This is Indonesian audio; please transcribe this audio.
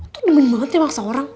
tungguin banget ya maksa orang